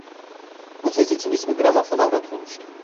Bu ses için ismi Gramofon Avrat olmuştu.